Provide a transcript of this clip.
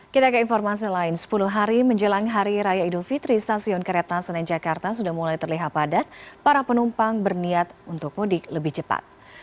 kita ke informasi lain sepuluh hari menjelang hari raya idul fitri stasiun kereta senen jakarta sudah mulai terlihat padat para penumpang berniat untuk mudik lebih cepat